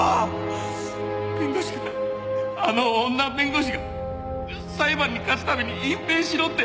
弁護士があの女弁護士が裁判に勝つために隠蔽しろって。